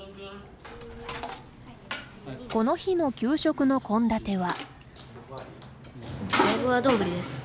この日の給食の献立は。